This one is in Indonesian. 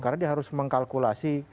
karena dia harus mengkalkulasi